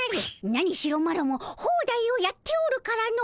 何しろマロもホーダイをやっておるからの！